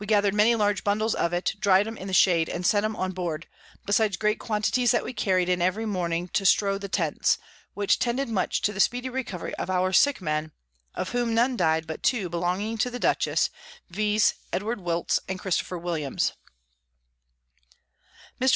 We gather'd many large Bundles of it, dry'd 'em in the shade, and sent 'em on board, besides great quantities that we carry'd in every Morning to strow the Tents, which tended much to the speedy Recovery of our sick Men, of whom none died but two belonging to the Dutchess, viz. Edward Wilts and Christopher Williams. Mr.